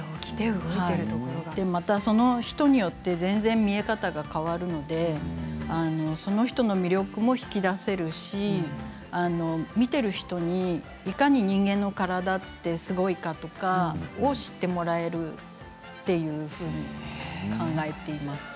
それでまた人によって全然見え方が変わるのでその人の魅力も引き出せるし見ている人にいかに人間の体ってすごいかとかそれを知ってもらえるというふうに考えています。